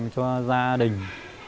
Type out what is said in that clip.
cho gia đình